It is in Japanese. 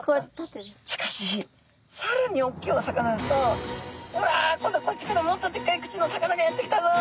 しかしさらに大きいお魚だと「うわ今度こっちからもっとでっかい口のお魚がやって来たぞ」